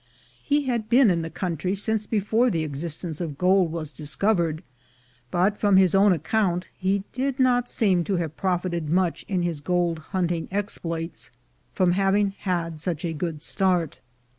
He had been in the country since before the existence of gold was discovered ; but from his own account he did not seem to have profited much in his gold hunting exploits from having had such a good start.